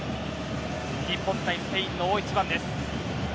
日本対スペインの大一番です。